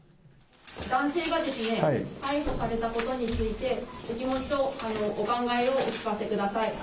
男性が逮捕されたことについて、お気持ちとお考えをお聞かせください。